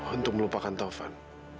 untuk melupakan taufan